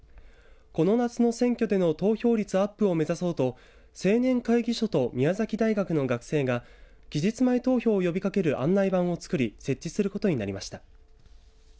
この夏の選挙での投票率アップを目指そうと青年会議所と宮崎大学の学生が期日前投票を呼びかける案内板を作り設置することになりました。